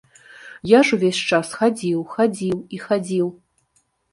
Я ж увесь час хадзіў, хадзіў і хадзіў.